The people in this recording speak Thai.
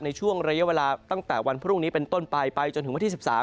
ในช่วงระยะเวลาตั้งแต่วันพรุ่งนี้เป็นต้นไปไปจนถึงวันที่๑๓